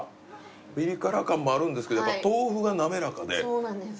ピリ辛感もあるんですけどやっぱ豆腐が滑らかでそうなんです